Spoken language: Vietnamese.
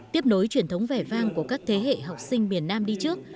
tiếp nối truyền thống vẻ vang của các thế hệ học sinh miền nam đi trước